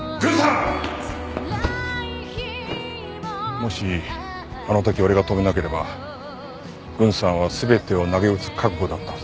もしあの時俺が止めなければ郡さんは全てをなげうつ覚悟だったはずだ。